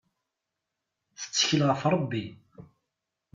Tettkel ɣef Rebbi.